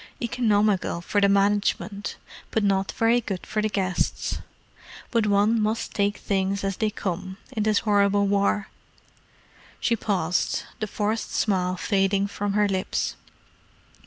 Economical for the management, but not very good for the guests. But one must take things as they come, in this horrible war." She paused, the forced smile fading from her lips.